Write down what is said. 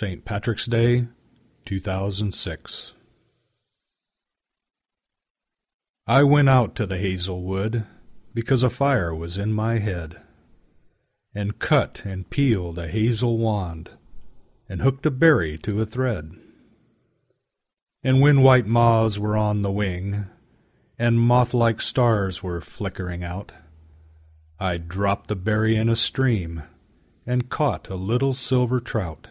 William Butler Yeats The Song of Wandering Aengus I WENT out to the hazel wood, Because a fire was in my head, And cut and peeled a hazel wand, And hooked a berry to a thread; And when white moths were on the wing, And moth like stars were flickering out, I dropped the berry in a stream And caught a little silver trout.